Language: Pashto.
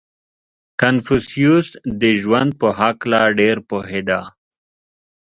• کنفوسیوس د ژوند په هکله ډېر پوهېده.